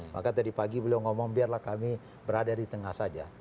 maka tadi pagi beliau ngomong biarlah kami berada di tengah saja